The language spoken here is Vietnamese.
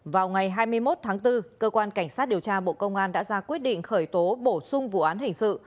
vào ngày hai mươi một tháng bốn cơ quan cảnh sát điều tra bộ công an đã ra quyết định khởi tố bổ sung vụ án hình sự